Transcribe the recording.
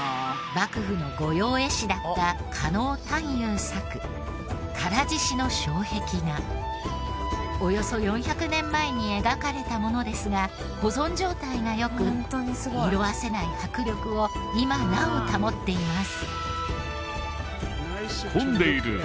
幕府の御用絵師だったおよそ４００年前に描かれたものですが保存状態が良く色あせない迫力を今なお保っています。